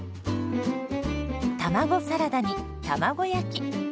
卵サラダに卵焼き。